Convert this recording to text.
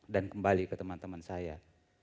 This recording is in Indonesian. dan kembali ke teman teman saya